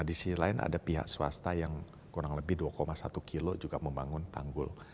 di sisi lain ada pihak swasta yang kurang lebih dua satu kilo juga membangun tanggul